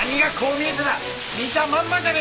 見たまんまじゃねえか！